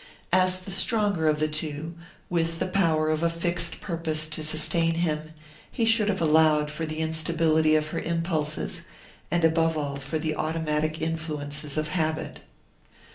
As the stronger of the two, with the power of a fixed purpose to sustain him, he should have allowed for the instability of her impulses, and above all for the automatic influences of habit.